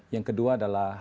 yang kedua adalah